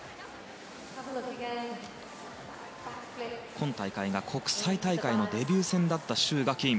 今大会が国際大会のデビュー戦だったシュウ・ガキン。